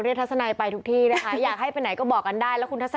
เรียกทัศนายไปทุกที่นะคะอยากให้ไปไหนก็บอกกันได้